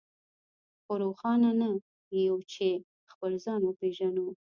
خو روښانه نه يو چې خپل ځان وپېژنو.